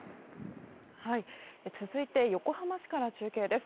続いて横浜市から中継です。